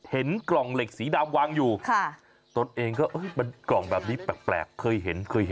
เห็นกล่องเหล็กสีดำวางอยู่ตนเองก็เอ้ยกล่องแบบนี้แปลก